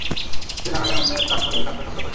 স্ত্রী জানালেন, অন্যের কাজ করে এ খাদ্য সংগ্রহ করেছি।